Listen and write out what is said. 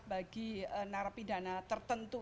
bagi narapidana tertentu